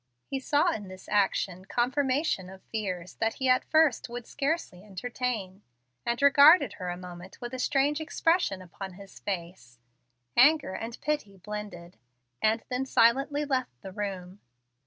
He saw in this action confirmation of fears that he at first would scarcely entertain, and regarded her a moment with a strange expression upon his face, anger and pity blended, and then silently left the room.